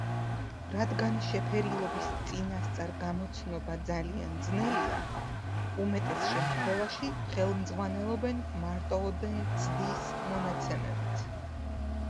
რადგან შეფერილობის წინასწარ გამოცნობა ძალიან ძნელია, უმეტეს შემთხვევაში ხელმძღვანელობენ მარტოოდენ ცდის მონაცემებით.